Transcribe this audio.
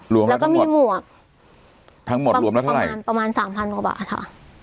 แล้วก็มีหมวกทั้งหมดรวมแล้วเท่าไหร่ประมาณสามพันกว่าบาทค่ะ